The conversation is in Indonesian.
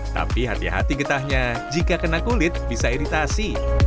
tapi hati hati getahnya jika kena kulit bisa iritasi